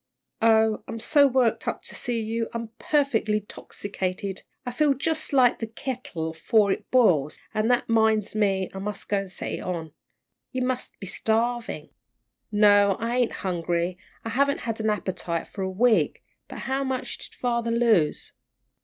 "Oh, I'm so worked up to see you I'm perfectly 'tossicated. I feel jus' like the teakettle afore it boils, an' that 'minds me I mus' go set it on. You mus' be starvin'." "No, I ain't hungry; I haven't had an appetite for a week. How much did father lose?"